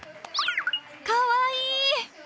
かわいい！